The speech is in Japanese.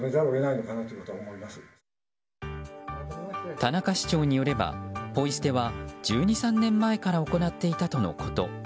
田中市長によればポイ捨ては１２１３年前から行っていたとのこと。